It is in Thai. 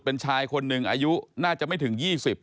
เป็นชายคนหนึ่งอายุน่าจะไม่ถึง๒๐